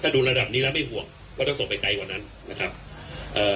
ถ้าดูระดับนี้แล้วไม่ห่วงก็ต้องส่งไปไกลกว่านั้นนะครับเอ่อ